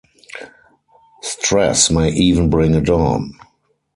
Stress may even bring it on.